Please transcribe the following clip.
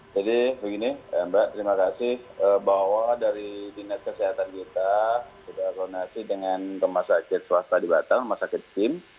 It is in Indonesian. jadi begini mbak terima kasih bahwa dari dinas kesehatan kita sudah koordinasi dengan masyarakat swasta di batang masyarakat tim